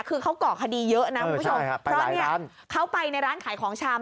คือเขาก่อคดีเยอะนะคุณผู้ชมเพราะเนี่ยเขาไปในร้านขายของชำ